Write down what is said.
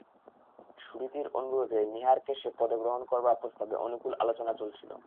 সুরীতির অনুরোধে নীহারকে সে পদে গ্রহণ করবার প্রস্তাবে অনুকূল আলোচনা চলছিল।